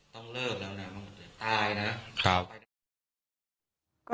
ต้องเลิก